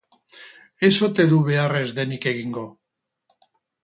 Ez ote du behar ez denik egingo!